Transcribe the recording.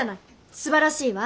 すばらしいわ。